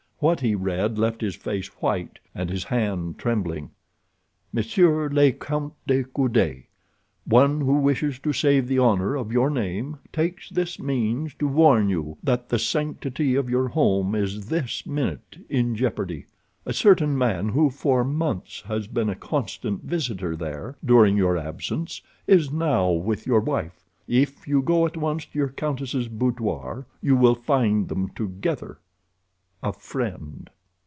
What he read left his face white and his hand trembling. MONSIEUR LE COUNT DE COUDE: One who wishes to save the honor of your name takes this means to warn you that the sanctity of your home is this minute in jeopardy. A certain man who for months has been a constant visitor there during your absence is now with your wife. If you go at once to your countess' boudoir you will find them together. A FRIEND.